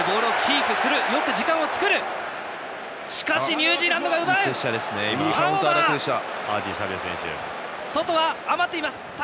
ニュージーランド奪った！